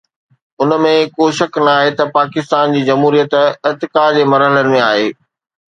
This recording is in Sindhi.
ان ۾ ڪو شڪ ناهي ته پاڪستان جي جمهوريت ارتقا جي مرحلن ۾ آهي.